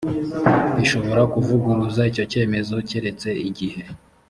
bishobora kuvuguruza icyo cyemezo keretse igihe